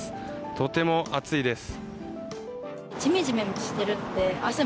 とても暑いです。